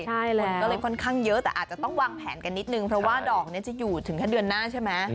คนก็เลยค่อนข้างเยอะแต่อาจจะต้องวางแผนกันนิดนึงเพราะว่าดอกนี้จะอยู่ถึงแค่เดือนหน้าใช่ไหม